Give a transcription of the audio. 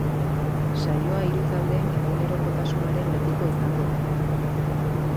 Saioa hiru taldeen egunerokotasunaren lekuko izango da.